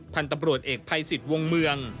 พันธุ์ตำรวจเอกภัยสิทธิ์วงเมือง